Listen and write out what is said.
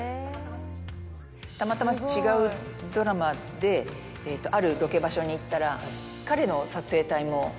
たまたま違うドラマであるロケ場所に行ったら。